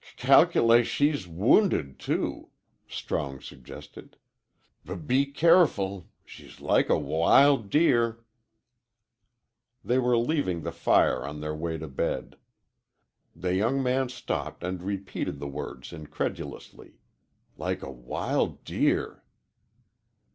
"C cal'late she's w wownded, too," Strong suggested. "B be careful. She's like a w wild deer." They were leaving the fire on their way to bed. The young man stopped and repeated the words incredulously "Like a wild deer!"